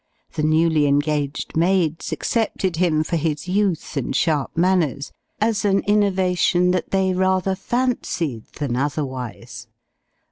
The newly engaged maids accepted him for his youth and sharp manners, as an innovation which they rather fancied than otherwise.